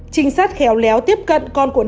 trinh sát khéo léo tiếp cận con của nạn